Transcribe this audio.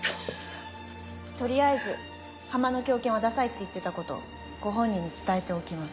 取りあえず「ハマの狂犬」はダサいって言ってたことご本人に伝えておきます。